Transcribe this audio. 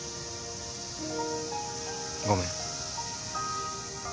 ごめん。